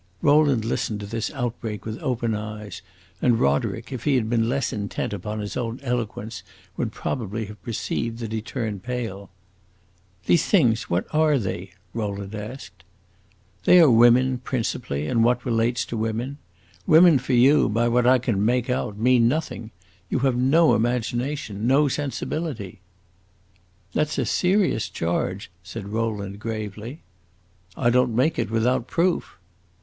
Rowland listened to this outbreak with open eyes, and Roderick, if he had been less intent upon his own eloquence, would probably have perceived that he turned pale. "These things what are they?" Rowland asked. "They are women, principally, and what relates to women. Women for you, by what I can make out, mean nothing. You have no imagination no sensibility!" "That 's a serious charge," said Rowland, gravely. "I don't make it without proof!"